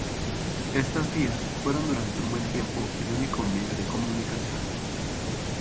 Estas vías fueron durante un buen tiempo el único medio de comunicación.